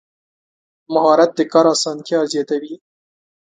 مهارت د کار اسانتیا زیاتوي.